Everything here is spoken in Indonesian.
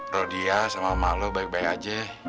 rodia sama mama lo baik baik aja